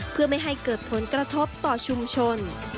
เพื่อไม่ให้เกิดผลกระทบต่อชุมชน